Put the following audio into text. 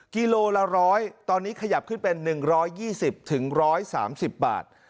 กิโลละ๑๐๐ตอนนี้ขยับขึ้นเป็น๑๒๐๑๓๐บาท